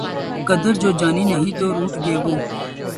قدر جو جانی نہیں تو روٹھ گئے وہ